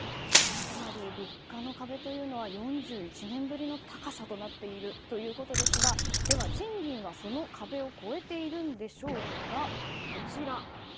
つまり物価の壁というのは４１年ぶりの高さとなっているということですがでは、賃金はその壁を越えているんでしょうか。